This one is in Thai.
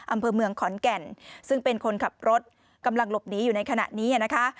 อำเภอเมืองขอนแก่นซึ่งเป็นคนขับรถกำลังหลบหนีอยู่ในขณะนี้นะคะ